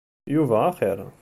Yuba axir.